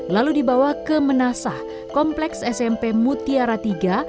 lalu dibawa ke menasah kompleks smp mutiara tiga